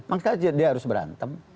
maka dia harus berantem